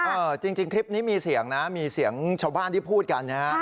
จริงคลิปนี้มีเสียงนะมีเสียงชาวบ้านที่พูดกันนะฮะ